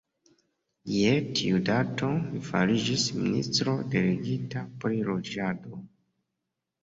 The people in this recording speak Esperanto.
Je tiu dato, li fariĝis ministro delegita pri loĝado.